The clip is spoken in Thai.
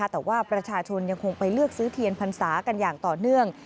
แต่ว่าประชาชนยังคงไปเลือกซื้อเทียนพรรษากันอย่างต่อเนื่อง